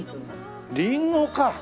リンゴか！